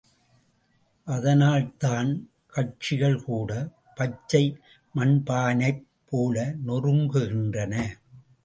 அதனால்தான் கட்சிகள் கூடப் பச்சை மண்பானைப் போல நொறுங்குகின்றன.